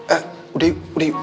eh udah yuk